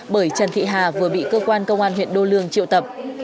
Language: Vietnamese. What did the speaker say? bởi trần thị hà vừa bị cơ quan công an huyện đô lương triệu tập